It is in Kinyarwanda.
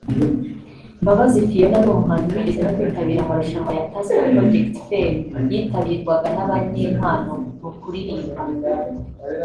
Mbabazi Phionah ni umuhanzikazi wigeze no kwitabira amarushanwa ya Tusker Project Fame yitabirwaga n’abanyempano mu kuririmba